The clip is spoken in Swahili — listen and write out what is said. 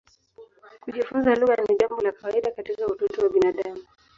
Kujifunza lugha ni jambo la kawaida katika utoto wa binadamu.